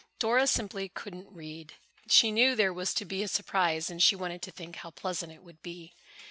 Dora simply couldn't read. She knew there was to be a surprise and she wanted to think how pleasant it would be.